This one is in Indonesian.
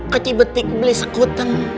kecil betik beli sekuten